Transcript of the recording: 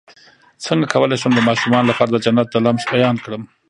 څنګه کولی شم د ماشومانو لپاره د جنت د لمس بیان کړم